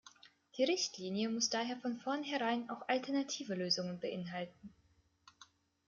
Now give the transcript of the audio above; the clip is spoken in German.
Die Richtlinie muss daher von vornherein auch alternative Lösungen beinhalten.